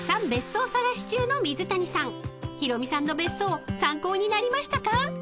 ［ヒロミさんの別荘参考になりましたか？］